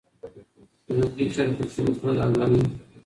کلنګي چرګ پکښي وکړل آذانونه